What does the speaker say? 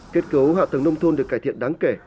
kết cấu hạ tầng nông thôn được cải thiện đáng kể